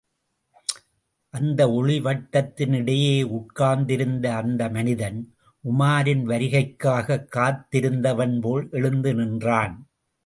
அந்த ஒளிவட்டத்தின் இடையே உட்கார்ந்திருந்த அந்த மனிதன், உமாரின் வருகைக்காகக் காத்திருந்தவன் போல் எழுந்து நின்றான்.